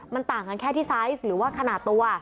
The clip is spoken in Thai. มันต่างกันแค่ที่ไซส์หรือว่าขนาดตัว